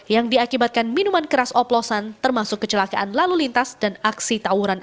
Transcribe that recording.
yang diakibatkan minuman keras oplosan termasuk kecelakaan lalu lintas dan aksi tawuran